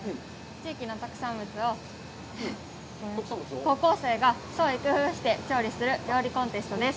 地域の特産物を高校生が創意工夫して調理する料理コンテストです。